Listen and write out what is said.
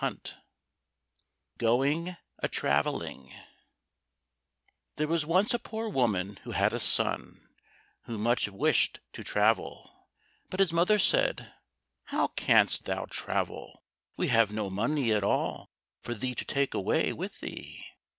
143 Going A Travelling There was once a poor woman who had a son, who much wished to travel, but his mother said, "How canst thou travel? We have no money at all for thee to take away with thee."